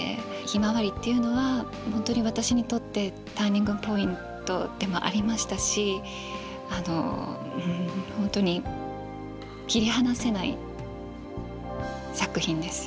「ひまわり」っていうのは本当に私にとってターニングポイントでもありましたし本当に切り離せない作品です。